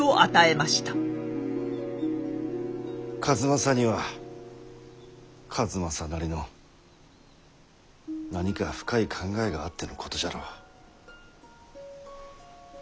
数正には数正なりの何か深い考えがあってのことじゃろう。